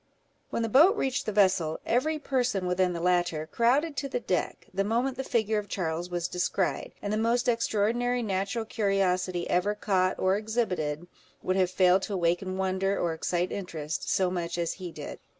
When the boat reached the vessel, every person within the latter crowded to the deck, the moment that the figure of Charles was descried; and the most extraordinary natural curiosity ever caught, or exhibited, would have failed to awaken wonder, or excite interest, so much as he did.